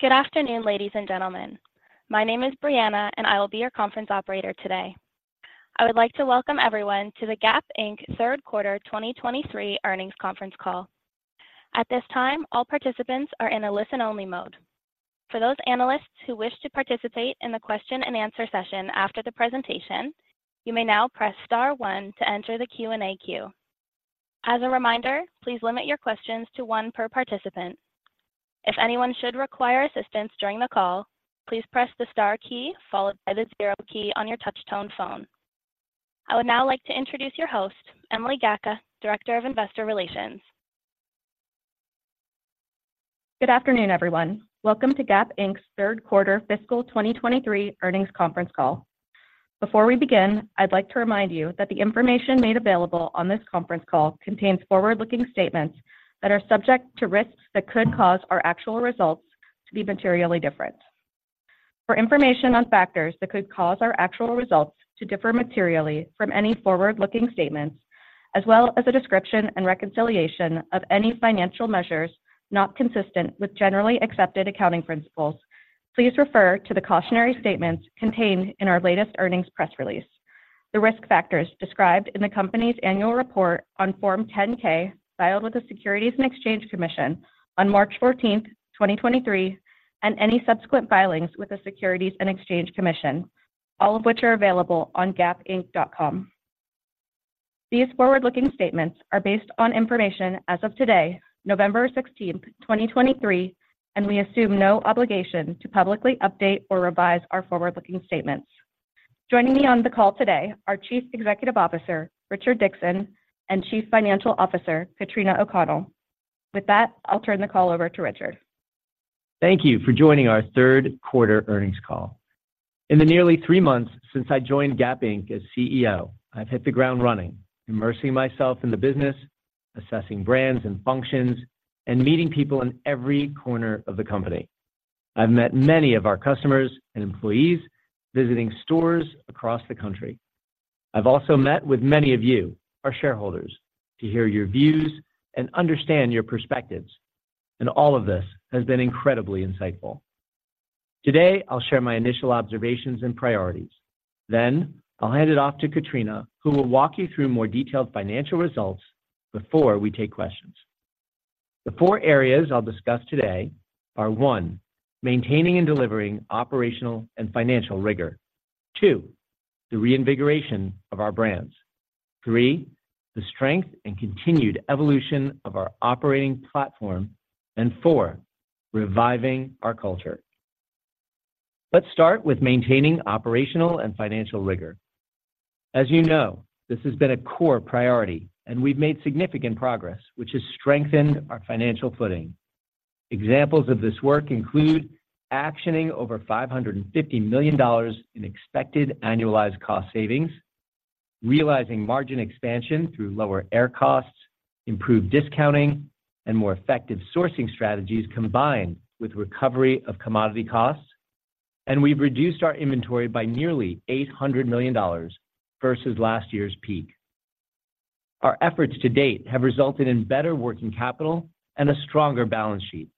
Good afternoon, ladies and gentlemen. My name is Brianna, and I will be your conference operator today. I would like to welcome everyone to the Gap Inc. Third Quarter 2023 Earnings Conference Call. At this time, all participants are in a listen-only mode. For those analysts who wish to participate in the question-and-answer session after the presentation, you may now press star one to enter the Q&A queue. As a reminder, please limit your questions to one per participant. If anyone should require assistance during the call, please press the star key followed by the zero key on your touchtone phone. I would now like to introduce your host, Emily Gacka, Director of Investor Relations. Good afternoon, everyone. Welcome to Gap Inc.'s third quarter fiscal 2023 earnings conference call. Before we begin, I'd like to remind you that the information made available on this conference call contains forward-looking statements that are subject to risks that could cause our actual results to be materially different. For information on factors that could cause our actual results to differ materially from any forward-looking statements, as well as a description and reconciliation of any financial measures not consistent with generally accepted accounting principles, please refer to the cautionary statements contained in our latest earnings press release. The risk factors described in the company's annual report on Form 10-K, filed with the Securities and Exchange Commission on 14 March 2023, and any subsequent filings with the Securities and Exchange Commission, all of which are available on gapinc.com. These forward-looking statements are based on information as of today, 16 November 2023, and we assume no obligation to publicly update or revise our forward-looking statements. Joining me on the call today, our Chief Executive Officer, Richard Dickson, and Chief Financial Officer, Katrina O'Connell. With that, I'll turn the call over to Richard. Thank you for joining our third quarter earnings call. In the nearly three months since I joined Gap Inc. as CEO, I've hit the ground running, immersing myself in the business, assessing brands and functions, and meeting people in every corner of the company. I've met many of our customers and employees, visiting stores across the country. I've also met with many of you, our shareholders, to hear your views and understand your perspectives, and all of this has been incredibly insightful. Today, I'll share my initial observations and priorities. Then I'll hand it off to Katrina, who will walk you through more detailed financial results before we take questions. The four areas I'll discuss today are: one, maintaining and delivering operational and financial rigor. Two, the reinvigoration of our brands. Three, the strength and continued evolution of our operating platform. And four, reviving our culture. Let's start with maintaining operational and financial rigor. As you know, this has been a core priority, and we've made significant progress, which has strengthened our financial footing. Examples of this work include actioning over $550 million in expected annualized cost savings, realizing margin expansion through lower air costs, improved discounting, and more effective sourcing strategies, combined with recovery of commodity costs. We've reduced our inventory by nearly $800 million versus last year's peak. Our efforts to date have resulted in better working capital and a stronger balance sheet,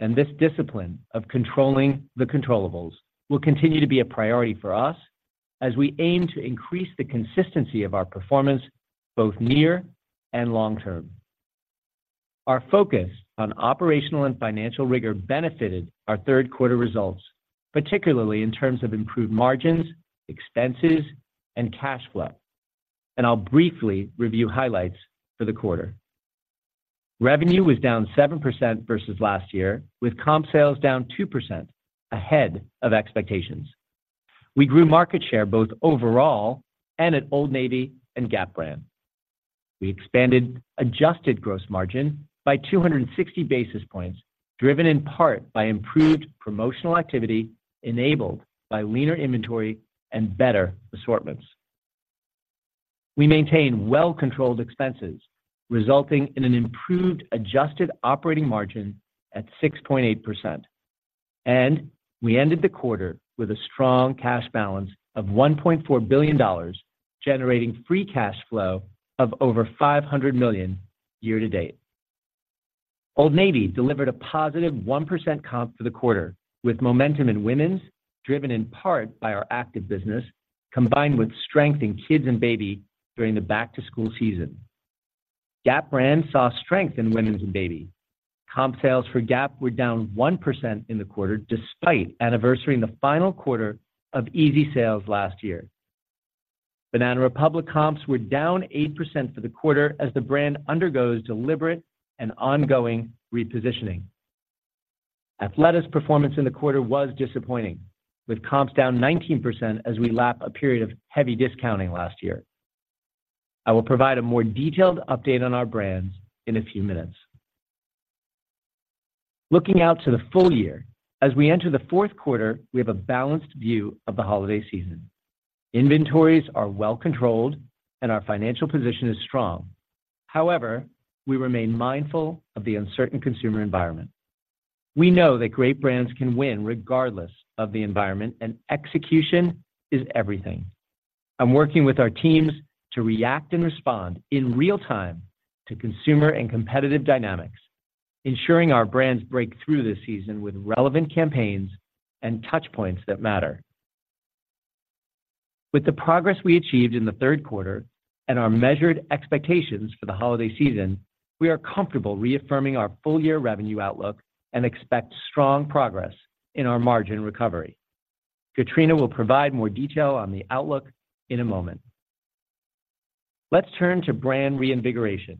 and this discipline of controlling the controllables will continue to be a priority for us as we aim to increase the consistency of our performance, both near and long term. Our focus on operational and financial rigor benefited our third quarter results, particularly in terms of improved margins, expenses, and cash flow, and I'll briefly review highlights for the quarter. Revenue was down 7% versus last year, with comp sales down 2%, ahead of expectations. We grew market share both overall and at Old Navy and Gap brand. We expanded adjusted gross margin by 260 basis points, driven in part by improved promotional activity, enabled by leaner inventory and better assortments. We maintained well-controlled expenses, resulting in an improved adjusted operating margin at 6.8%, and we ended the quarter with a strong cash balance of $1.4 billion, generating free cash flow of over $500 million year to date. Old Navy delivered a positive 1% comp for the quarter, with momentum in women's, driven in part by our active business, combined with strength in kids and baby during the back-to-school season. Gap brand saw strength in women's and baby. Comp sales for Gap were down 1% in the quarter, despite anniversarying the final quarter of Yeezy sales last year. Banana Republic comps were down 8% for the quarter as the brand undergoes deliberate and ongoing repositioning. Athleta's performance in the quarter was disappointing, with comps down 19% as we lap a period of heavy discounting last year. I will provide a more detailed update on our brands in a few minutes. Looking out to the full year, as we enter the fourth quarter, we have a balanced view of the holiday season. Inventories are well controlled and our financial position is strong. However, we remain mindful of the uncertain consumer environment. We know that great brands can win regardless of the environment, and execution is everything.... I'm working with our teams to react and respond in real time to consumer and competitive dynamics, ensuring our brands break through this season with relevant campaigns and touch points that matter. With the progress we achieved in the third quarter and our measured expectations for the holiday season, we are comfortable reaffirming our full-year revenue outlook and expect strong progress in our margin recovery. Katrina will provide more detail on the outlook in a moment. Let's turn to brand reinvigoration.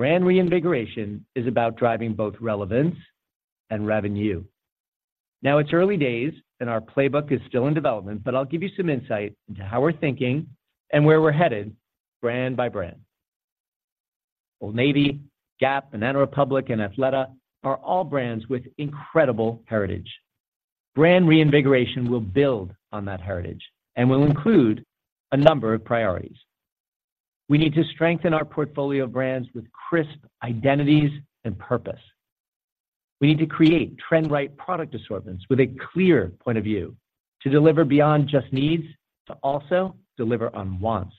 Brand reinvigoration is about driving both relevance and revenue. Now, it's early days, and our playbook is still in development, but I'll give you some insight into how we're thinking and where we're headed brand by brand. Old Navy, Gap, Banana Republic, and Athleta are all brands with incredible heritage. Brand reinvigoration will build on that heritage and will include a number of priorities. We need to strengthen our portfolio of brands with crisp identities and purpose. We need to create trend-right product assortments with a clear point of view to deliver beyond just needs, to also deliver on wants.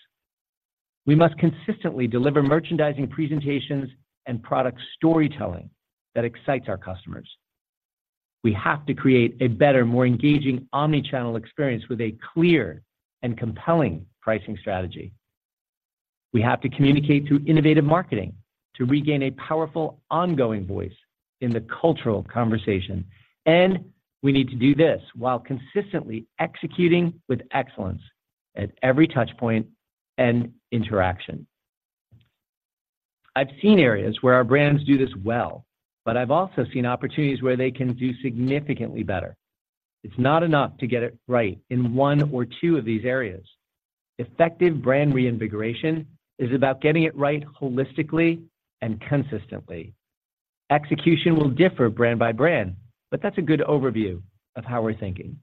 We must consistently deliver merchandising presentations and product storytelling that excites our customers. We have to create a better, more engaging omni-channel experience with a clear and compelling pricing strategy. We have to communicate through innovative marketing to regain a powerful, ongoing voice in the cultural conversation, and we need to do this while consistently executing with excellence at every touch point and interaction. I've seen areas where our brands do this well, but I've also seen opportunities where they can do significantly better. It's not enough to get it right in one or two of these areas. Effective brand reinvigoration is about getting it right holistically and consistently. Execution will differ brand by brand, but that's a good overview of how we're thinking.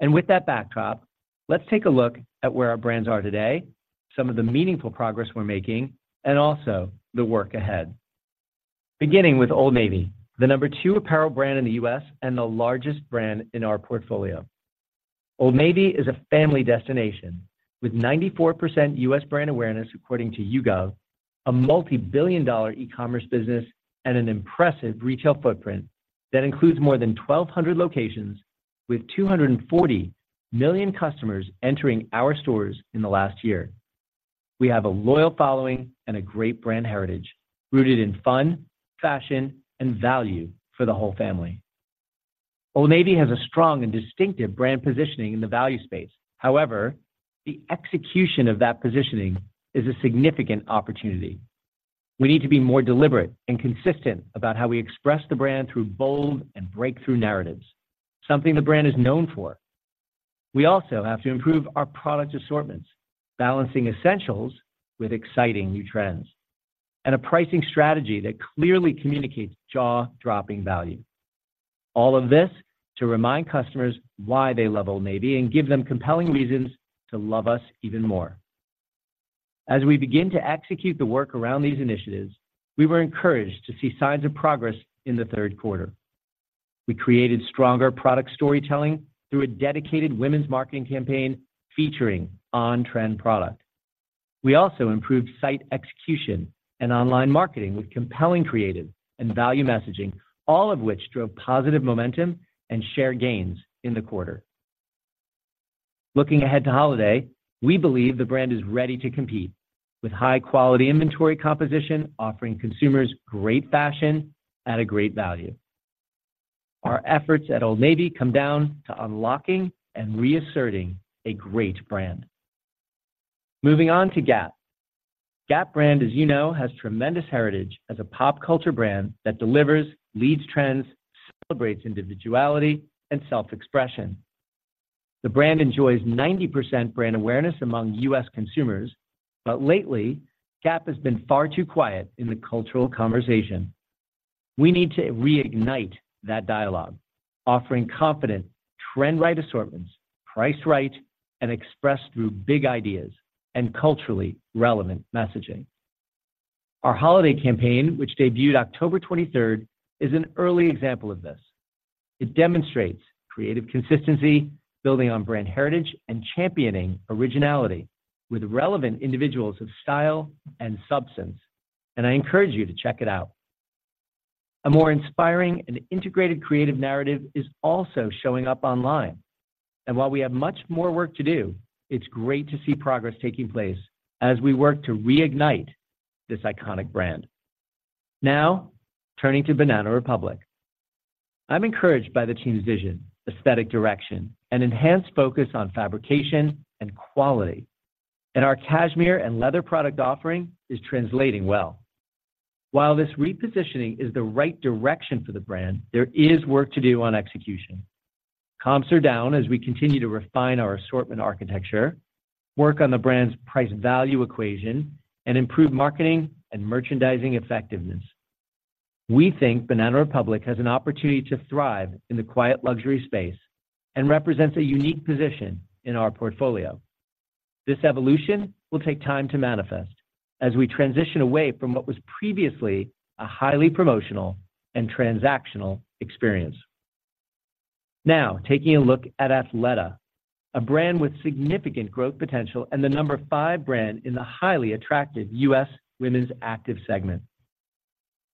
With that backdrop, let's take a look at where our brands are today, some of the meaningful progress we're making, and also the work ahead. Beginning with Old Navy, the number two apparel brand in the US and the largest brand in our portfolio. Old Navy is a family destination with 94% US brand awareness, according to YouGov, a multi-billion-dollar e-commerce business, and an impressive retail footprint that includes more than 1,200 locations, with 240 million customers entering our stores in the last year. We have a loyal following and a great brand heritage rooted in fun, fashion, and value for the whole family. Old Navy has a strong and distinctive brand positioning in the value space. However, the execution of that positioning is a significant opportunity. We need to be more deliberate and consistent about how we express the brand through bold and breakthrough narratives, something the brand is known for. We also have to improve our product assortments, balancing essentials with exciting new trends, and a pricing strategy that clearly communicates jaw-dropping value. All of this to remind customers why they love Old Navy and give them compelling reasons to love us even more. As we begin to execute the work around these initiatives, we were encouraged to see signs of progress in the third quarter. We created stronger product storytelling through a dedicated women's marketing campaign featuring on-trend products. We also improved site execution and online marketing with compelling creative and value messaging, all of which drove positive momentum and share gains in the quarter. Looking ahead to holiday, we believe the brand is ready to compete with high-quality inventory composition, offering consumers great fashion at a great value. Our efforts at Old Navy come down to unlocking and reasserting a great brand. Moving on to Gap. Gap brand, as you know, has tremendous heritage as a pop culture brand that delivers, leads trends, celebrates individuality and self-expression. The brand enjoys 90% brand awareness among US consumers, but lately, Gap has been far too quiet in the cultural conversation. We need to reignite that dialogue, offering confident, trend-right assortments, priced right, and expressed through big ideas and culturally relevant messaging. Our holiday campaign, which debuted 23 October 2023, is an early example of this. It demonstrates creative consistency, building on brand heritage, and championing originality with relevant individuals of style and substance, and I encourage you to check it out. A more inspiring and integrated creative narrative is also showing up online, and while we have much more work to do, it's great to see progress taking place as we work to reignite this iconic brand. Now, turning to Banana Republic. I'm encouraged by the team's vision, aesthetic direction, and enhanced focus on fabrication and quality, and our cashmere and leather product offering is translating well. While this repositioning is the right direction for the brand, there is work to do on execution. Comps are down as we continue to refine our assortment architecture, work on the brand's price-value equation, and improve marketing and merchandising effectiveness. We think Banana Republic has an opportunity to thrive in the quiet luxury space and represents a unique position in our portfolio.... This evolution will take time to manifest as we transition away from what was previously a highly promotional and transactional experience. Now, taking a look at Athleta, a brand with significant growth potential and the number five brand in the highly attractive US women's active segment.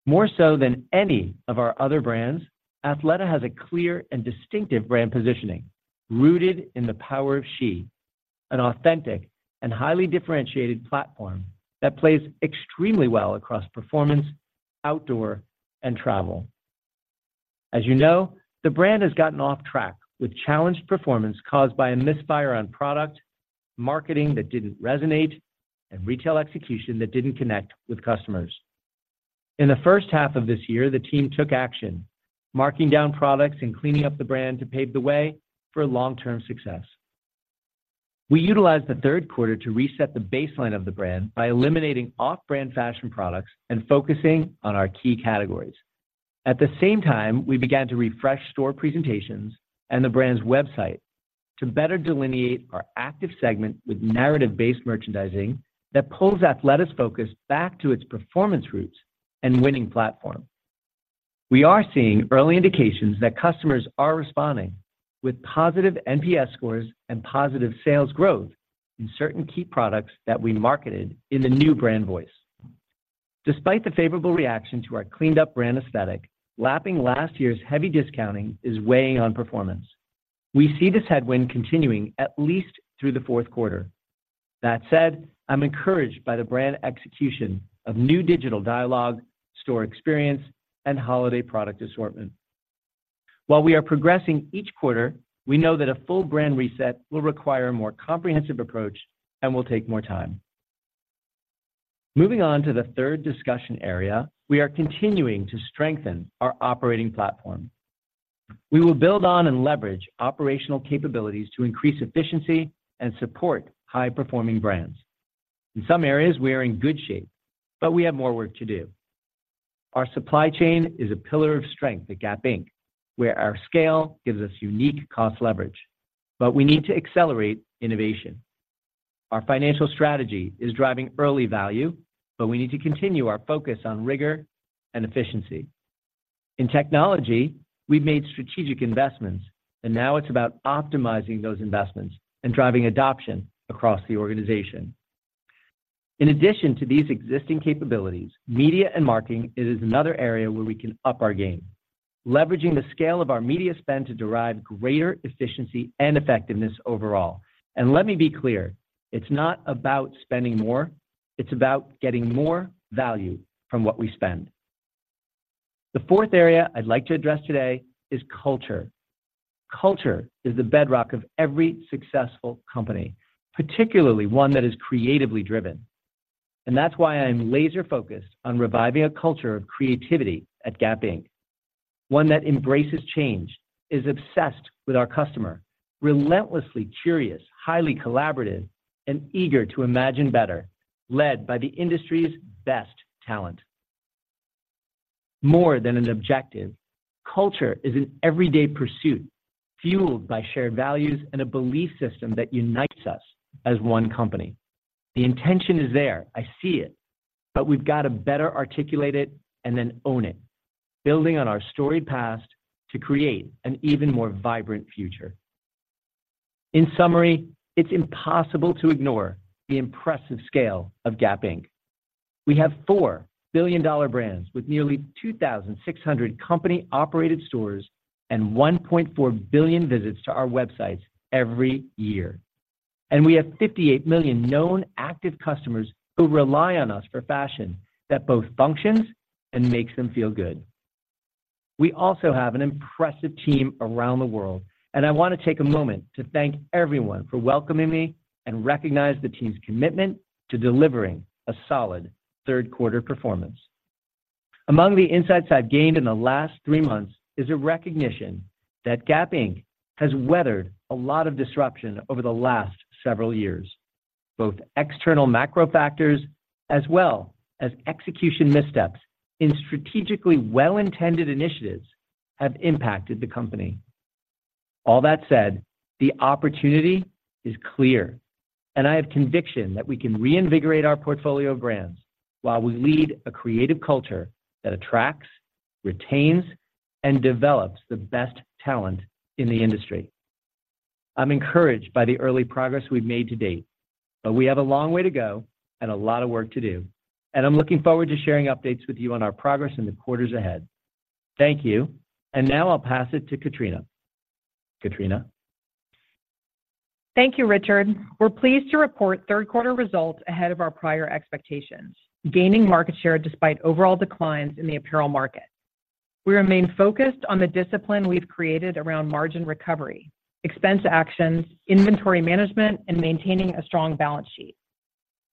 More so than any of our other brands, Athleta has a clear and distinctive brand positioning rooted in the Power of She, an authentic and highly differentiated platform that plays extremely well across performance, outdoor, and travel. As you know, the brand has gotten off track with challenged performance caused by a misfire on product, marketing that didn't resonate, and retail execution that didn't connect with customers. In the first half of this year, the team took action, marking down products and cleaning up the brand to pave the way for long-term success. We utilized the third quarter to reset the baseline of the brand by eliminating off-brand fashion products and focusing on our key categories. At the same time, we began to refresh store presentations and the brand's website to better delineate our active segment with narrative-based merchandising that pulls Athleta's focus back to its performance roots and winning platform. We are seeing early indications that customers are responding with positive NPS scores and positive sales growth in certain key products that we marketed in the new brand voice. Despite the favorable reaction to our cleaned-up brand aesthetic, lapping last year's heavy discounting is weighing on performance. We see this headwind continuing at least through the fourth quarter. That said, I'm encouraged by the brand execution of new digital dialogue, store experience, and holiday product assortment. While we are progressing each quarter, we know that a full brand reset will require a more comprehensive approach and will take more time. Moving on to the third discussion area, we are continuing to strengthen our operating platform. We will build on and leverage operational capabilities to increase efficiency and support high-performing brands. In some areas, we are in good shape, but we have more work to do. Our supply chain is a pillar of strength at Gap Inc., where our scale gives us unique cost leverage, but we need to accelerate innovation. Our financial strategy is driving early value, but we need to continue our focus on rigor and efficiency. In technology, we've made strategic investments, and now it's about optimizing those investments and driving adoption across the organization. In addition to these existing capabilities, media and marketing is another area where we can up our game, leveraging the scale of our media spend to derive greater efficiency and effectiveness overall. And let me be clear, it's not about spending more, it's about getting more value from what we spend. The fourth area I'd like to address today is culture. Culture is the bedrock of every successful company, particularly one that is creatively driven. And that's why I'm laser-focused on reviving a culture of creativity at Gap Inc. One that embraces change, is obsessed with our customer, relentlessly curious, highly collaborative, and eager to imagine better, led by the industry's best talent. More than an objective, culture is an everyday pursuit, fueled by shared values and a belief system that unites us as one company. The intention is there, I see it, but we've got to better articulate it and then own it, building on our storied past to create an even more vibrant future. In summary, it's impossible to ignore the impressive scale of Gap Inc. We have four billion-dollar brands with nearly 2,000 company-operated stores and 1.4 billion visits to our websites every year. And we have 58 million known active customers who rely on us for fashion that both functions and makes them feel good. We also have an impressive team around the world, and I want to take a moment to thank everyone for welcoming me and recognize the team's commitment to delivering a solid third quarter performance. Among the insights I've gained in the last three months is a recognition that Gap Inc. has weathered a lot of disruption over the last several years. Both external macro factors, as well as execution missteps in strategically well-intended initiatives, have impacted the company. All that said, the opportunity is clear, and I have conviction that we can reinvigorate our portfolio of brands while we lead a creative culture that attracts, retains, and develops the best talent in the industry. I'm encouraged by the early progress we've made to date, but we have a long way to go and a lot of work to do, and I'm looking forward to sharing updates with you on our progress in the quarters ahead. Thank you. And now I'll pass it to Katrina. Katrina? Thank you, Richard. We're pleased to report third quarter results ahead of our prior expectations, gaining market share despite overall declines in the apparel market. We remain focused on the discipline we've created around margin recovery, expense actions, inventory management, and maintaining a strong balance sheet.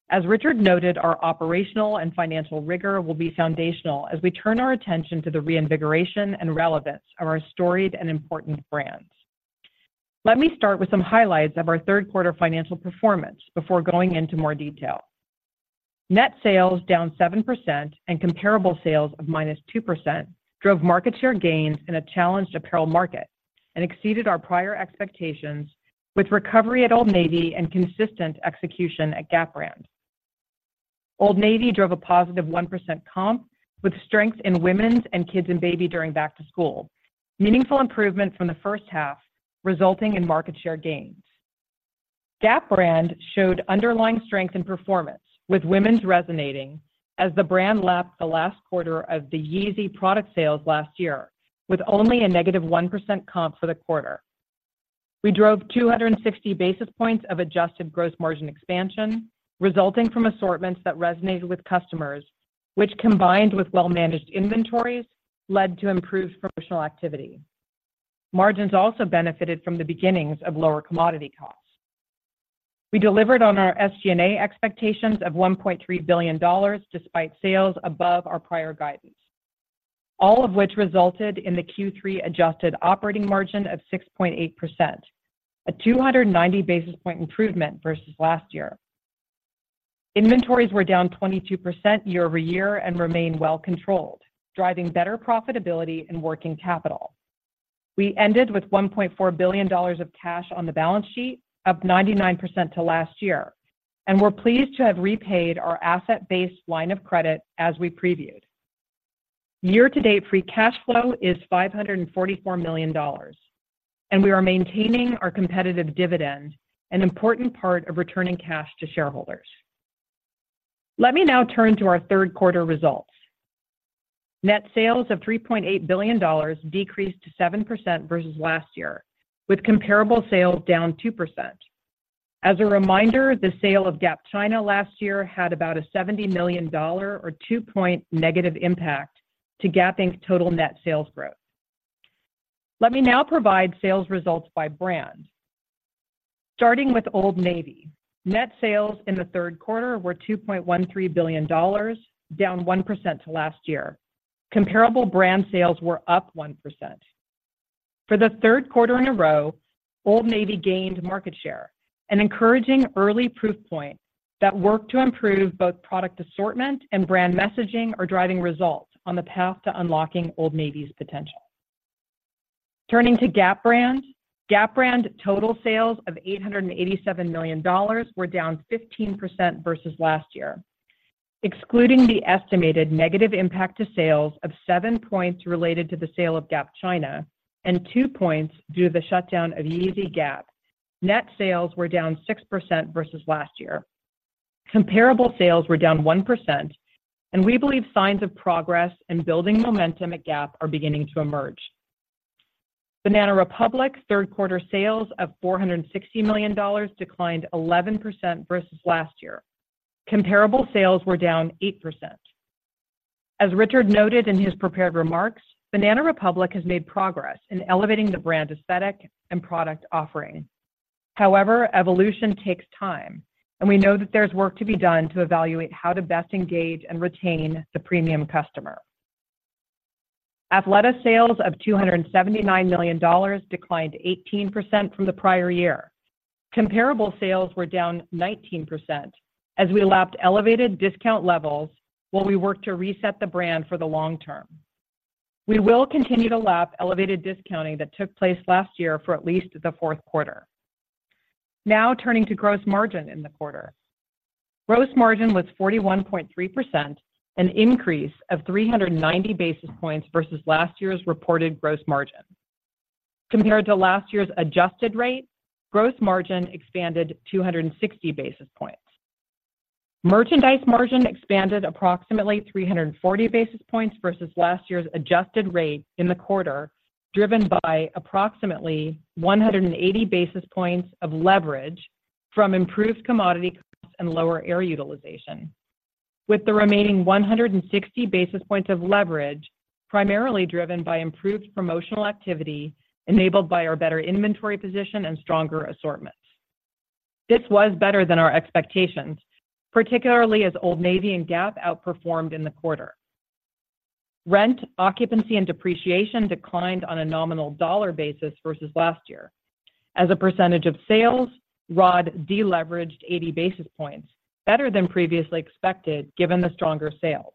As Richard noted, our operational and financial rigor will be foundational as we turn our attention to the reinvigoration and relevance of our storied and important brands. Let me start with some highlights of our third quarter financial performance before going into more detail. Net sales down 7% and comparable sales of -2% drove market share gains in a challenged apparel market and exceeded our prior expectations with recovery at Old Navy and consistent execution at Gap brand. Old Navy drove a positive 1% comp with strength in women's and kids and baby during back to school. Meaningful improvement from the first half, resulting in market share gains. Gap brand showed underlying strength and performance, with women's resonating as the brand lapped the last quarter of the Yeezy product sales last year, with only a negative 1% comp for the quarter. We drove 260 basis points of adjusted gross margin expansion, resulting from assortments that resonated with customers, which, combined with well-managed inventories, led to improved promotional activity. Margins also benefited from the beginnings of lower commodity costs. We delivered on our SG&A expectations of $1.3 billion, despite sales above our prior guidance. All of which resulted in the third quarter adjusted operating margin of 6.8%, a 290 basis point improvement versus last year. Inventories were down 22% year-over-year and remain well controlled, driving better profitability and working capital. We ended with $1.4 billion of cash on the balance sheet, up 99% to last year, and we're pleased to have repaid our asset-based line of credit as we previewed. Year-to-date free cash flow is $544 million, and we are maintaining our competitive dividend, an important part of returning cash to shareholders. Let me now turn to our third quarter results. Net sales of $3.8 billion decreased 7% versus last year, with comparable sales down 2%. As a reminder, the sale of Gap China last year had about a $70 million or 2-point negative impact to Gap Inc.'s total net sales growth. Let me now provide sales results by brand. Starting with Old Navy. Net sales in the third quarter were $2.13 billion, down 1% to last year. Comparable brand sales were up 1%. For the third quarter in a row, Old Navy gained market share, an encouraging early proof point that work to improve both product assortment and brand messaging are driving results on the path to unlocking Old Navy's potential. Turning to Gap brand. Gap brand total sales of $887 million were down 15% versus last year. Excluding the estimated negative impact to sales of 7 points related to the sale of Gap China and 2 points due to the shutdown of Yeezy Gap, net sales were down 6% versus last year. Comparable sales were down 1%, and we believe signs of progress and building momentum at Gap are beginning to emerge. Banana Republic's third quarter sales of $460 million declined 11% versus last year. Comparable sales were down 8%. As Richard noted in his prepared remarks, Banana Republic has made progress in elevating the brand aesthetic and product offering. However, evolution takes time, and we know that there's work to be done to evaluate how to best engage and retain the premium customer. Athleta sales of $279 million declined 18% from the prior year. Comparable sales were down 19% as we lapped elevated discount levels while we worked to reset the brand for the long term. We will continue to lap elevated discounting that took place last year for at least the fourth quarter. Now turning to gross margin in the quarter. Gross margin was 41.3%, an increase of 390 basis points versus last year's reported gross margin. Compared to last year's adjusted rate, gross margin expanded 260 basis points. Merchandise margin expanded approximately 340 basis points versus last year's adjusted rate in the quarter, driven by approximately 180 basis points of leverage from improved commodity costs and lower air utilization, with the remaining 160 basis points of leverage primarily driven by improved promotional activity enabled by our better inventory position and stronger assortments. This was better than our expectations, particularly as Old Navy and Gap outperformed in the quarter. Rent, occupancy, and depreciation declined on a nominal dollar basis versus last year. As a percentage of sales, ROD deleveraged 80 basis points, better than previously expected, given the stronger sales.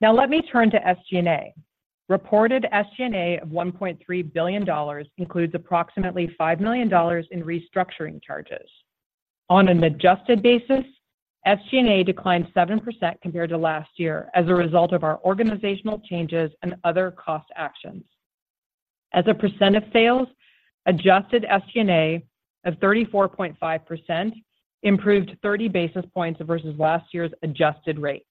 Now let me turn to SG&A. Reported SG&A of $1.3 billion includes approximately $5 million in restructuring charges. On an adjusted basis, SG&A declined 7% compared to last year as a result of our organizational changes and other cost actions. As a percent of sales, adjusted SG&A of 34.5% improved 30 basis points versus last year's adjusted rate.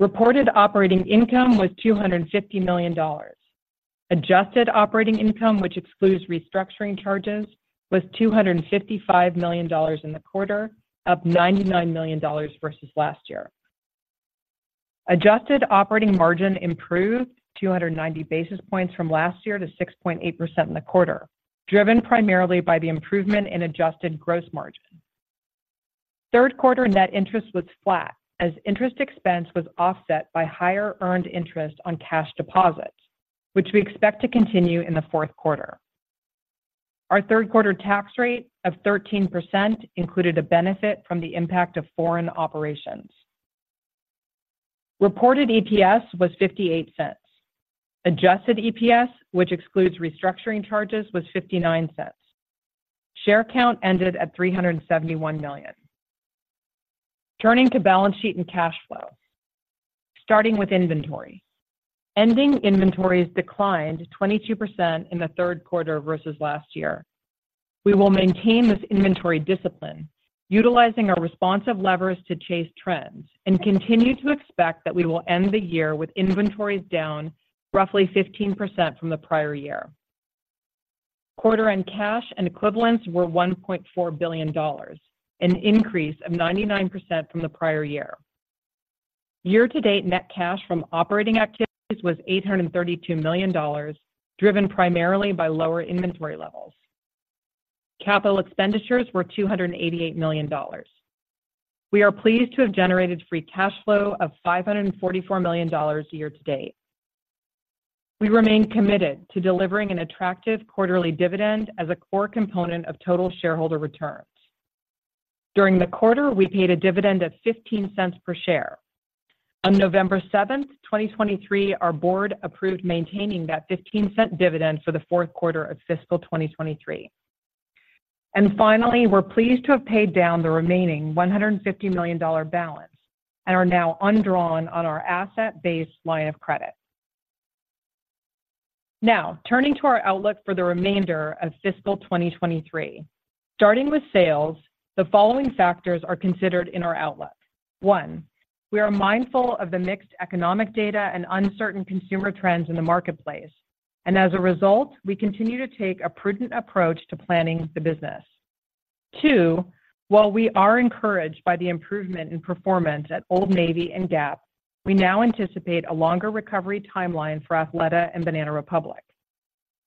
Reported operating income was $250 million. Adjusted operating income, which excludes restructuring charges, was $255 million in the quarter, up $99 million versus last year. Adjusted operating margin improved 290 basis points from last year to 6.8% in the quarter, driven primarily by the improvement in adjusted gross margin. Third quarter net interest was flat as interest expense was offset by higher earned interest on cash deposits, which we expect to continue in the fourth quarter. Our third quarter tax rate of 13% included a benefit from the impact of foreign operations. Reported EPS was $0.58. Adjusted EPS, which excludes restructuring charges, was $0.59. Share count ended at 371 million. Turning to balance sheet and cash flow, starting with inventory. Ending inventories declined 22% in the third quarter versus last year. We will maintain this inventory discipline, utilizing our responsive levers to chase trends, and continue to expect that we will end the year with inventories down roughly 15% from the prior year. Quarter-end cash and equivalents were $1.4 billion, an increase of 99% from the prior year. Year-to-date net cash from operating activities was $832 million, driven primarily by lower inventory levels. Capital expenditures were $288 million. We are pleased to have generated free cash flow of $544 million year to date. We remain committed to delivering an attractive quarterly dividend as a core component of total shareholder returns. During the quarter, we paid a dividend of $0.15 per share. On 7 November 2023, our board approved maintaining that $0.15 dividend for the fourth quarter of fiscal 2023. And finally, we're pleased to have paid down the remaining $150 million balance and are now undrawn on our asset-based line of credit. Now, turning to our outlook for the remainder of fiscal 2023. Starting with sales, the following factors are considered in our outlook. One, we are mindful of the mixed economic data and uncertain consumer trends in the marketplace, and as a result, we continue to take a prudent approach to planning the business. Two, while we are encouraged by the improvement in performance at Old Navy and Gap, we now anticipate a longer recovery timeline for Athleta and Banana Republic.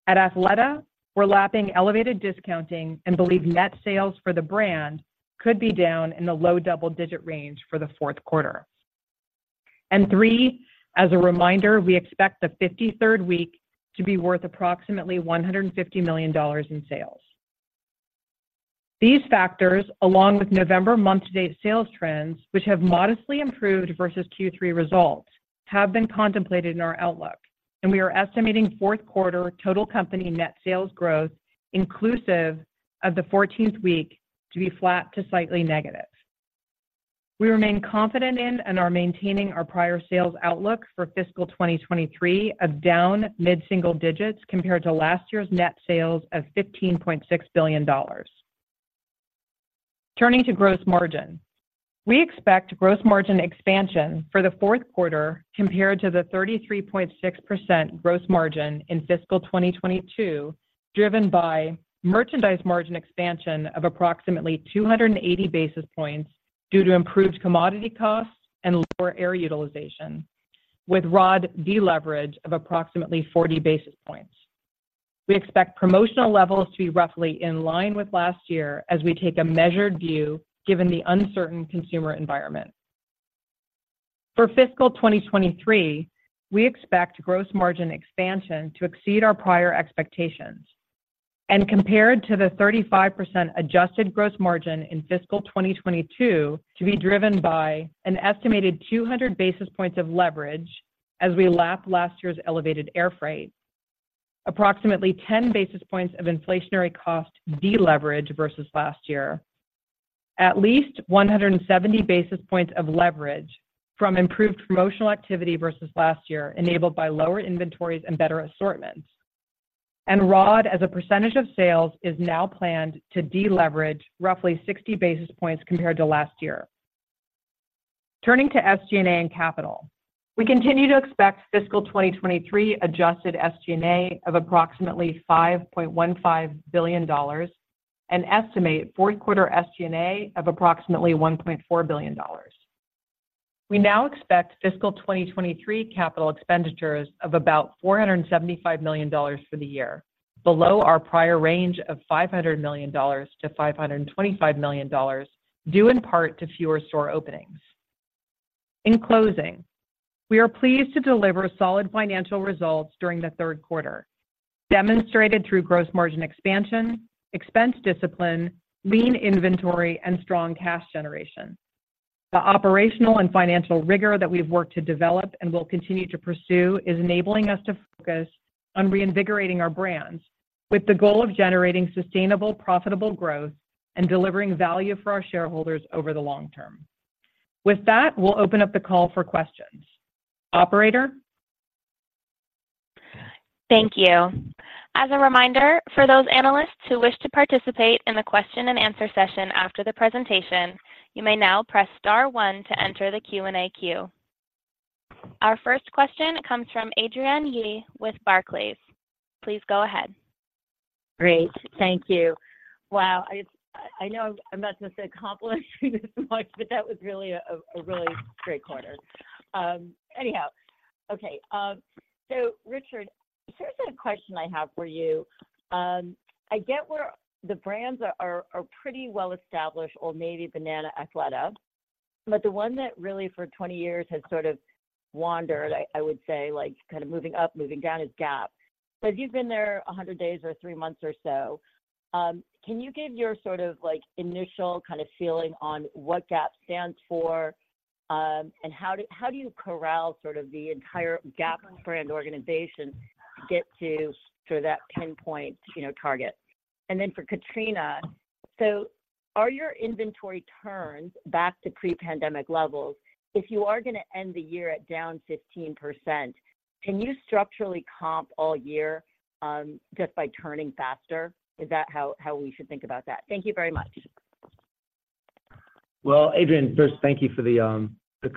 At Athleta, we're lapping elevated discounting and believe net sales for the brand could be down in the low double-digit range for the fourth quarter. And three, as a reminder, we expect the 53rd week to be worth approximately $150 million in sales. These factors, along with November month-to-date sales trends, which have modestly improved versus third quarter results, have been contemplated in our outlook, and we are estimating fourth quarter total company net sales growth, inclusive of the 14th week, to be flat to slightly negative. We remain confident in and are maintaining our prior sales outlook for fiscal 2023 of down mid-single digits compared to last year's net sales of $15.6 billion. Turning to gross margin. We expect gross margin expansion for the fourth quarter compared to the 33.6% gross margin in fiscal 2022, driven by merchandise margin expansion of approximately 280 basis points due to improved commodity costs and lower air utilization, with ROD deleverage of approximately 40 basis points. We expect promotional levels to be roughly in line with last year as we take a measured view, given the uncertain consumer environment. For fiscal 2023, we expect gross margin expansion to exceed our prior expectations and compared to the 35% adjusted gross margin in fiscal 2022 to be driven by an estimated 200 basis points of leverage as we lap last year's elevated air freight. Approximately 10 basis points of inflationary cost deleverage versus last year. At least 170 basis points of leverage from improved promotional activity versus last year, enabled by lower inventories and better assortments. ROD, as a percentage of sales, is now planned to deleverage roughly 60 basis points compared to last year. Turning to SG&A and capital. We continue to expect fiscal 2023 adjusted SG&A of approximately $5.15 billion and estimate fourth quarter SG&A of approximately $1.4 billion. We now expect fiscal 2023 capital expenditures of about $475 million for the year, below our prior range of $500 to 525 million, due in part to fewer store openings. In closing, we are pleased to deliver solid financial results during the third quarter, demonstrated through gross margin expansion, expense discipline, lean inventory, and strong cash generation. The operational and financial rigor that we've worked to develop and will continue to pursue is enabling us to focus on reinvigorating our brands with the goal of generating sustainable, profitable growth and delivering value for our shareholders over the long term. With that, we'll open up the call for questions. Operator? Thank you. As a reminder, for those analysts who wish to participate in the question and answer session after the presentation, you may now press star one to enter the Q&A queue. Our first question comes from Adrienne Yih with Barclays. Please go ahead. Great. Thank you. Wow, I know I'm not supposed to accomplish this much, but that was really a really great quarter. Anyhow, okay, so Richard, here's a question I have for you. I get where the brands are pretty well established, Old Navy, Banana, Athleta... but the one that really for 20 years has sort of wandered, I would say, like, kind of moving up, moving down, is Gap. So if you've been there 100 days or 3 months or so, can you give your sort of like initial kind of feeling on what Gap stands for, and how do you corral sort of the entire Gap Brand organization to get to that 10-point, you know, target? And then for Katrina, so are your inventory turns back to pre-pandemic levels? If you are gonna end the year at down 15%, can you structurally comp all year, just by turning faster? Is that how, how we should think about that? Thank you very much. Well, Adrienne, first, thank you for the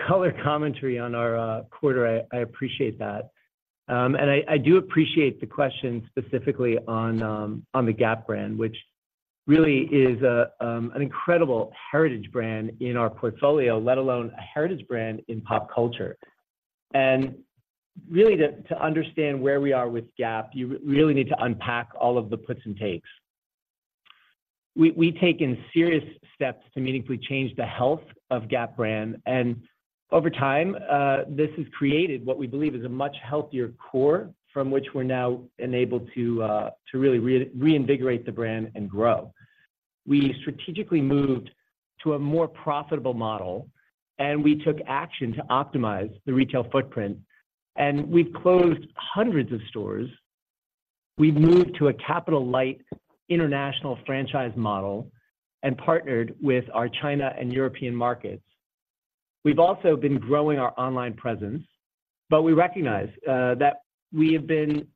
color commentary on our quarter. I appreciate that. And I do appreciate the question specifically on the Gap brand, which really is an incredible heritage brand in our portfolio, let alone a heritage brand in pop culture. Really, to understand where we are with Gap, you really need to unpack all of the puts and takes. We've taken serious steps to meaningfully change the health of Gap brand, and over time, this has created what we believe is a much healthier core from which we're now enabled to really reinvigorate the brand and grow. We strategically moved to a more profitable model, and we took action to optimize the retail footprint, and we've closed hundreds of stores. We've moved to a capital-light international franchise model and partnered with our China and European markets. We've also been growing our online presence, but we recognize that we have been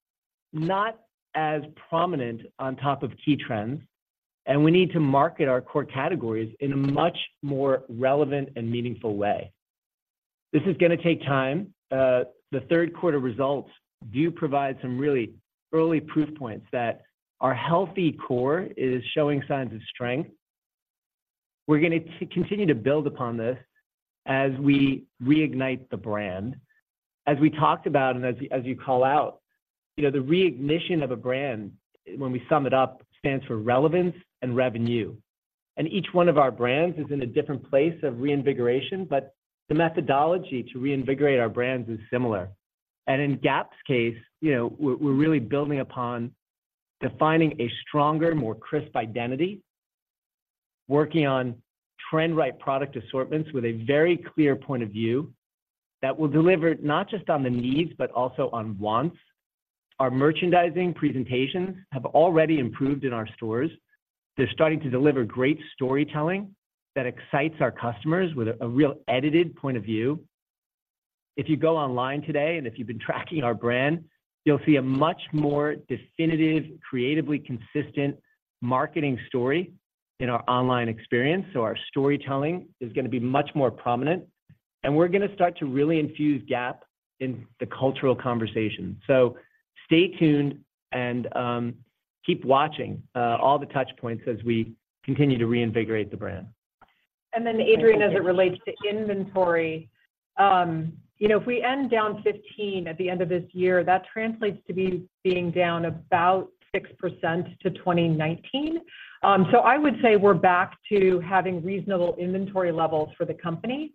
not as prominent on top of key trends, and we need to market our core categories in a much more relevant and meaningful way. This is gonna take time. The third quarter results do provide some really early proof points that our healthy core is showing signs of strength. We're gonna continue to build upon this as we reignite the brand. As we talked about, and as you, as you call out, you know, the reignition of a brand, when we sum it up, stands for relevance and revenue. And each one of our brands is in a different place of reinvigoration, but the methodology to reinvigorate our brands is similar. In Gap's case, you know, we're really building upon defining a stronger, more crisp identity, working on trend-right product assortments with a very clear point of view that will deliver not just on the needs, but also on wants. Our merchandising presentations have already improved in our stores. They're starting to deliver great storytelling that excites our customers with a real edited point of view. If you go online today, and if you've been tracking our brand, you'll see a much more definitive, creatively consistent marketing story in our online experience, so our storytelling is gonna be much more prominent. And we're gonna start to really infuse Gap in the cultural conversation. So stay tuned and keep watching all the touch points as we continue to reinvigorate the brand. And then, Adrienne, as it relates to inventory, you know, if we end down 15 at the end of this year, that translates to being down about 6% to 2019. So I would say we're back to having reasonable inventory levels for the company.